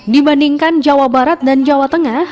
dibandingkan jawa barat dan jawa tengah